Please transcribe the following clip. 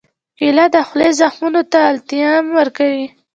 کېله د خولې زخمونو ته التیام ورکوي.